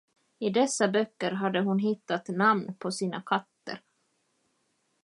I dessa böcker hade hon hittat namn på sina katter.